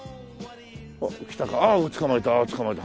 あっきたか捕まえた捕まえた。